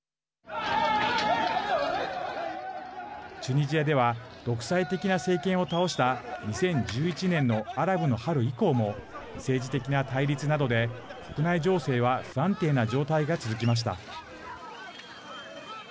チュニジアでは独裁的な政権を倒した２０１１年のアラブの春以降も政治的な対立などで国内情勢は不安定な状態が続きました。